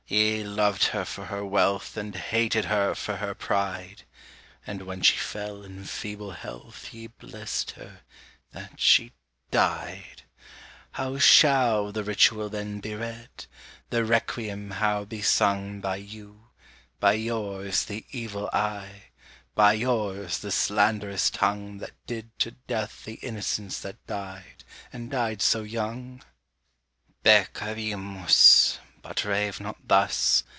ye loved her for her wealth and hated her for her pride. And when she fell in feeble health, ye blessed her that she died! How shall the ritual, then, be read? the requiem how be sung By you by yours, the evil eye, by yours, the slanderous tongue That did to death the innocence that died, and died so young?" [Illustration: Lenore] Peccavimus; but rave not thus!